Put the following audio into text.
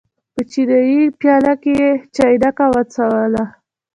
په چیني پیاله کې یې چاینکه وڅڅوله.